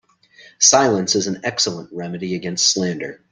Silence is an excellent remedy against slander.